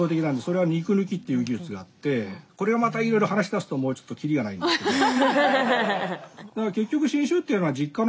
それは肉抜きっていう技術があってこれがまたいろいろ話しだすともうちょっとキリがないんですけどね。